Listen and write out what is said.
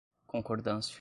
concordância